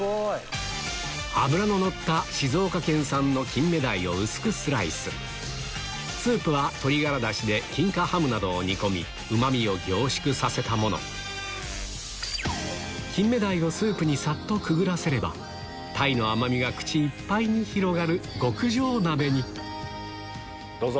脂ののった静岡県産の金目鯛を薄くスライススープはうまみを凝縮させたもの金目鯛をスープにさっとくぐらせれば鯛の甘みが口いっぱいに広がる極上鍋にどうぞ。